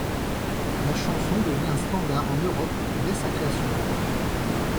La chanson devient un standard en Europe dès sa création.